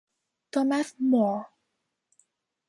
Thomas More.